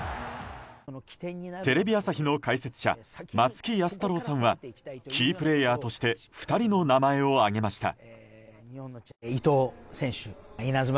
テレビ朝日の解説者松木安太郎さんはキープレーヤーとして２人の名前を上げました。